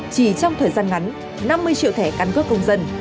chỉ trong thời gian ngắn năm mươi triệu thẻ căn cước công dân